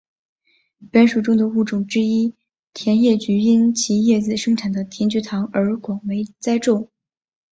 本属中的物种之一甜叶菊因其叶子生产甜菊糖而广为栽种。